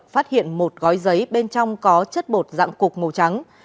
phát hiện một gói giấy bên trong có chất bột dạng cục màu trắng